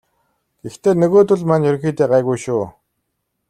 Гэхдээ нөгөөдүүл маань ерөнхийдөө гайгүй шүү.